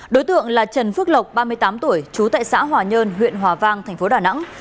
đối tượng là trần phước lộc ba mươi tám tuổi trú tại xã hòa nhơn huyện hòa vang thành phố đà nẵng